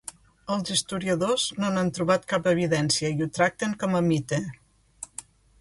Els historiadors no n'han trobat cap evidència i ho tracten com a mite.